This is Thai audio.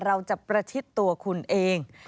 เราจะประชิดตัวคุณเอง